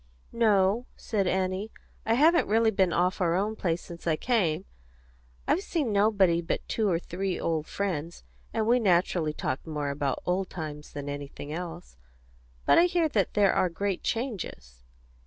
"No," said Annie; "I haven't really been off our own place since I came. I've seen nobody but two or three old friends, and we naturally talked more about old times than anything else. But I hear that there are great changes."